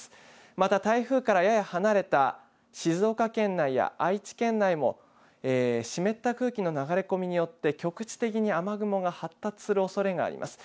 また、台風からやや離れた静岡県内や愛知県内も湿った空気の流れ込みによって局地的に雨雲が発達するおそれがあります。